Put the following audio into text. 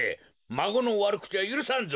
まごのわるくちはゆるさんぞ。